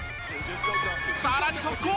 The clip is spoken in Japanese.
さらに速攻。